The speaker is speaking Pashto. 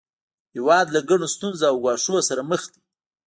هیواد له ګڼو ستونزو او ګواښونو سره مخ دی